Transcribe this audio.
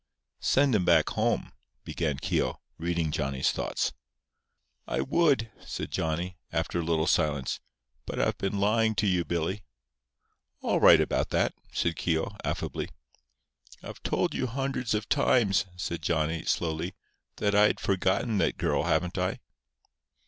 "Send 'em back home," began Keogh, reading Johnny's thoughts. "I would," said Johnny, after a little silence; "but I've been lying to you, Billy." "All right about that," said Keogh, affably. "I've told you hundreds of times," said Johnny, slowly, "that I had forgotten that girl, haven't I?"